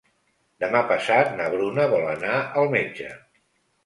Demà passat na Bruna vol anar al metge.